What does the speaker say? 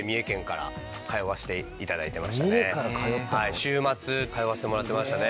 週末通わせてもらってましたね。